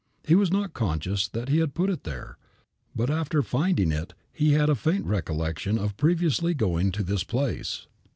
He was not conscious that he had put it there, but after finding it he had a faint recollection of previously going to this place.